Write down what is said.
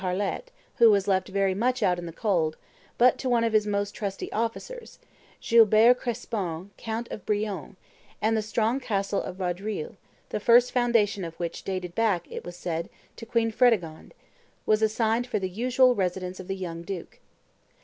Harlette, who was left very much out in the cold, but to one of his most trusty officers, Gilbert Crespon, count of Brionne; and the strong castle of Vaudreuil, the first foundation of which dated back, it was said, to Queen Fredegonde, was assigned for the usual residence of the young duke.